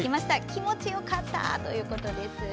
気持ちよかったということです。